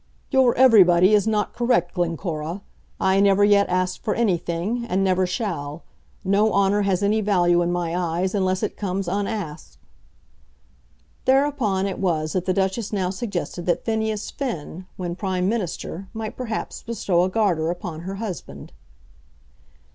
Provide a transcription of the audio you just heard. "Your everybody is not correct, Glencora. I never yet asked for anything, and never shall. No honour has any value in my eyes unless it comes unasked." Thereupon it was that the Duchess now suggested that Phineas Finn, when Prime Minister, might perhaps bestow a Garter upon her husband.